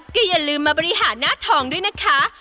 ก็อย่าลืมมาบริหารหน้าทองด้วยนะคะ